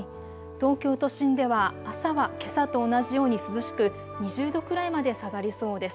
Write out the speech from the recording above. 東京都心では朝はけさと同じように涼しく２０度くらいまで下がりそうです。